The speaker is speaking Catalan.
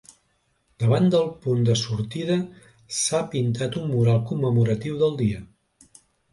Davant del punt de sortida s’ha pintat un mural commemoratiu del dia.